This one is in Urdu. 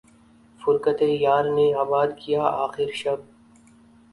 فرقت یار نے آباد کیا آخر شب